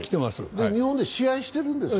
日本で試合しているんですよね？